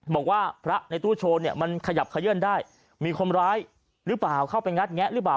บอกว่าพระในตู้โชว์เนี่ยมันขยับขยื่นได้มีคนร้ายหรือเปล่าเข้าไปงัดแงะหรือเปล่า